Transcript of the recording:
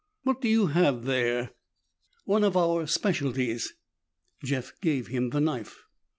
"What do you have there?" "One of our specialties." Jeff gave him the knife.